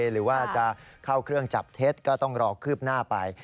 หรือว่าจะเข้าเครื่องจับเท็จก็ต้องรอคืบหน้าไป